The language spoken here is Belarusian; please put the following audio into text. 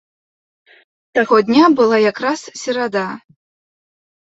Таго дня была якраз серада.